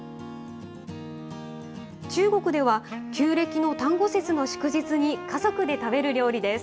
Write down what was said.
中国では旧暦の端午節の祝日に家族で食べる料理です。